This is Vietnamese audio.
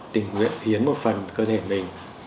tình nguyện hiến một phần cơ thể mình